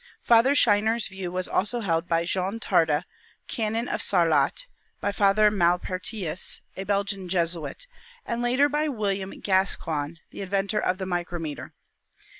Father Scheiner's view was also held by Jean Tarde, Canon of Sarlat; by Father Malpertius, a Belgian Jesuit, and later by William Gas coigne, the inventor of the micrometer.